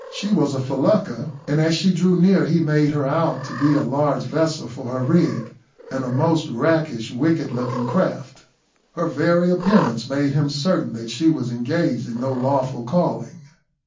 She was a felucca, and as she drew near he made her out to be a large vessel for her rig, and a most rakish, wicked looking craft. Her very appearance made him certain that she was engaged in no lawful calling.